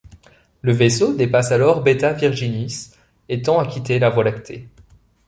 Le vaisseau dépasse alors Beta Virginis et tend à quitter la Voie lactée.